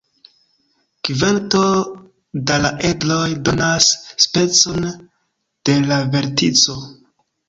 Kvanto da la edroj donas specon de la vertico.